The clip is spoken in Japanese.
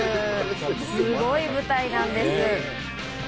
すごい舞台なんです。